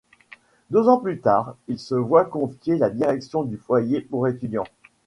Deux ans plus tard, il se voit confier la direction du foyer pour étudiants.